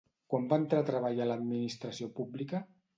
Quan va entrar a treballar a l'administració pública?